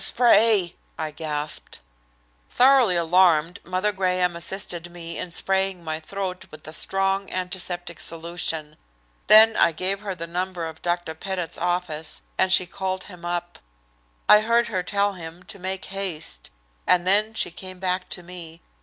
"The spray!" I gasped. Thoroughly alarmed, Mother Graham assisted me in spraying my throat with a strong antiseptic solution. Then I gave her the number of Dr. Pettit's office, and she called him up. I heard her tell him to make haste, and then she came back to me.